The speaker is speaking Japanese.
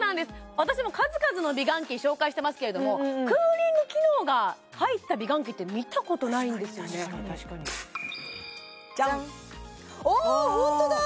私も数々の美顔器紹介してますけれどもクーリング機能が入った美顔器って見たことないんですよねじゃんあっホントだ！